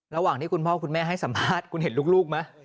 ระหว่างที่คุณพ่อคุณแม่ให้สัมภาษณ์คุณเห็นลูกไหม